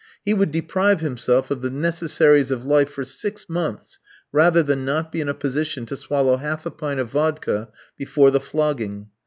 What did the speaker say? He would deprive himself of the necessaries of life for six months rather than not be in a position to swallow half a pint of vodka before the flogging.